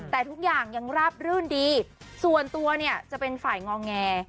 แต่ทุกอย่างยังราบรื่นดีส่วนตัวเนี่ยจะเป็นฝ่ายงอแง